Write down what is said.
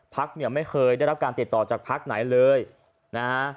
พักเนี่ยไม่เคยได้รับการติดต่อจากพักไหนเลยนะฮะ